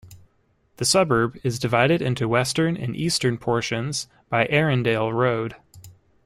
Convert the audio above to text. The suburb is divided into western and eastern portions by Erindale Road.